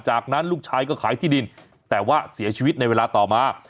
จากนั้นลูกชายก็ขายที่ดินแต่ว่าเสียชีวิตในเวลาต่อมา